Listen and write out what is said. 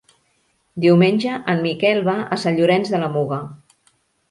Diumenge en Miquel va a Sant Llorenç de la Muga.